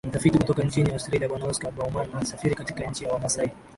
Mtafiti kutoka nchi ya Austria Bwana Oscar Baumann alisafiri katika nchi ya Wamasai